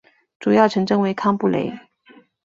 主要城镇为康布雷。